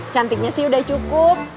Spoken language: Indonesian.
cantiknya sih udah cukup